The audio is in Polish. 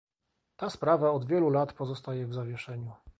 Ta sprawa od wielu lat pozostaje w zawieszeniu